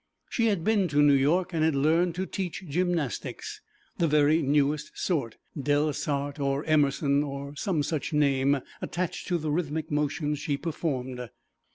She had been to New York and had learned to teach gymnastics, the very newest sort; 'Delsart' or 'Emerson,' or some such name, attached to the rhythmic motions she performed.